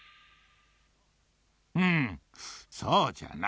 うんそうじゃな。